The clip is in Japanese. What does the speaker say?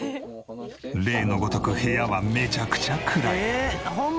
例のごとく部屋はめちゃくちゃ暗い。